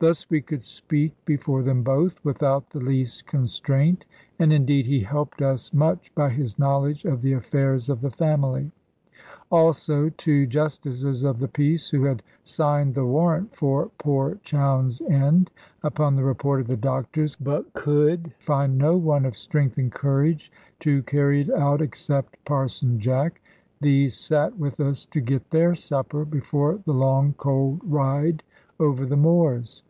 Thus we could speak before them both, without the least constraint; and indeed he helped us much by his knowledge of the affairs of the family. Also two Justices of the Peace, who had signed the warrant for poor Chowne's end, upon the report of the doctors, but could find no one of strength and courage to carry it out, except Parson Jack; these sate with us to get their supper, before the long cold ride over the moors.